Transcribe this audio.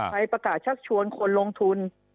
ไปประกาศชักชวนคนลงทุน